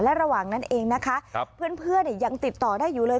และระหว่างนั้นเองนะคะครับเพื่อนเพื่อนเนี่ยยังติดต่อได้อยู่เลย